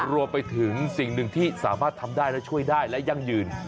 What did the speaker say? รวมไปถึงสิ่งหนึ่งที่สามารถทำได้และช่วยได้และยั่งยืน